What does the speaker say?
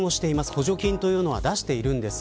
補助金というのは出しているんです。